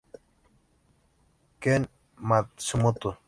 Ken Matsumoto